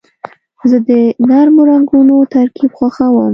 زه د نرمو رنګونو ترکیب خوښوم.